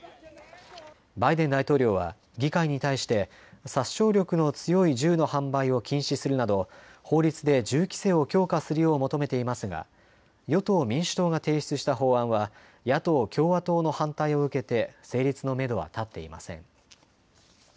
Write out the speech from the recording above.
バイデン大統領は議会に対して殺傷力の強い銃の販売を禁止するなど法律で銃規制を強化するよう求めていますが与党民主党が提出した法案は野党共和党の反対を受けて成立のめどは立っていません。